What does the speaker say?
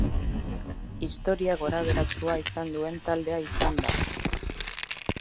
Historia gorabeheratsua izan duen taldea izan da.